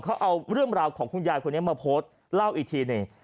เขาเอาเรื่องราวของคุณยายคนนี้มาโพสต์เล่าอีกทีหนึ่ง